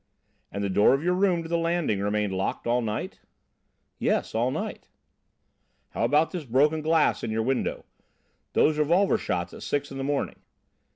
"And the door of your room to the landing remained locked all night?" "Yes, all night." "How about this broken glass in your window? Those revolver shots at six in the morning?"